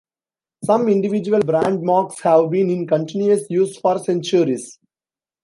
Some individual brand marks have been in continuous use for centuries.